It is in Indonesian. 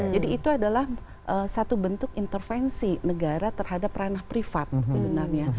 jadi itu adalah satu bentuk intervensi negara terhadap ranah privat sebenarnya